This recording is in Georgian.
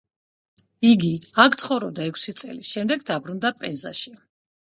იგი აქ ცხოვრობდა ექვსი წელი, შემდეგ დაბრუნდა პენზაში.